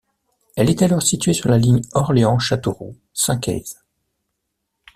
Elle est alors située sur la ligne Orléans - Châteauroux - Saincaize.